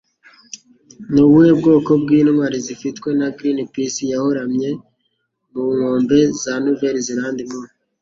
Ni ubuhe bwoko bw'Intwali Zifitwe na Greenpeace Yarohamye ku nkombe za Nouvelle-Zélande Mu ,